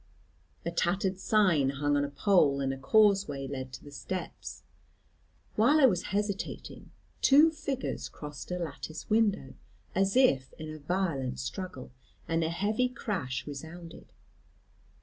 A tattered sign hung on a pole, and a causeway led to the steps. While I was hesitating, two figures crossed a lattice window, as if in violent struggle, and a heavy crash resounded.